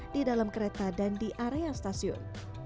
di dalam kereta dan di area stasiun